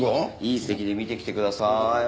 いい席で見てきてください。